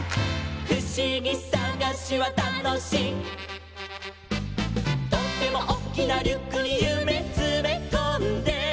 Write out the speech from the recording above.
「ふしぎさがしはたのしい」「とってもおっきなリュックにゆめつめこんで」